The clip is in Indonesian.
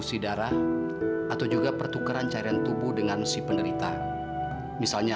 sampai jumpa di video selanjutnya